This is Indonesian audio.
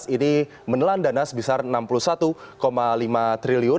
ini menelan dana sebesar rp enam puluh satu lima triliun